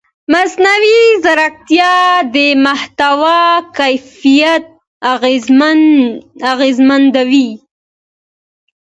مصنوعي ځیرکتیا د محتوا کیفیت اغېزمنوي.